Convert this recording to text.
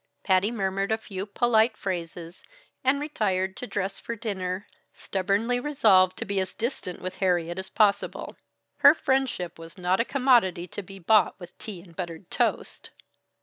Patty murmured a few polite phrases and retired to dress for dinner, stubbornly resolved to be as distant with Harriet as possible. Her friendship was not a commodity to be bought with tea and buttered toast.